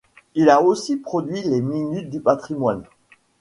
Il a aussi produit les Minutes du Patrimoine.